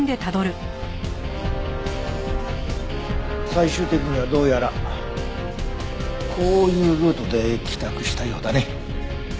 最終的にはどうやらこういうルートで帰宅したようだね。